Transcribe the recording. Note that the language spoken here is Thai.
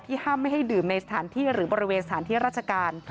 ห้ามไม่ให้ดื่มในสถานที่หรือบริเวณสถานที่ราชการ